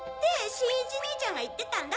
新一兄ちゃんが言ってたんだ。